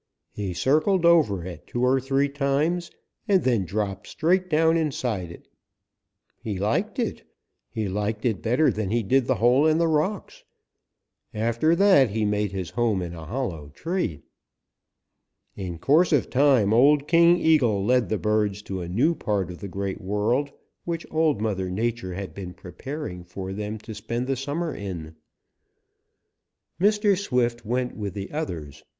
He circled over it two or three times and then dropped straight down inside. He liked it. He liked it better than he did the hole in the rocks. After that he made his home in a hollow tree. "In course of time old King Eagle led the birds to a new part of the Great World which Old Mother Nature had been preparing for them to spend the summer in. Mr. Swift went with the others.